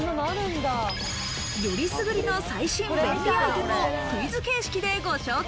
選りすぐりの最新便利アイテムをクイズ形式でご紹介。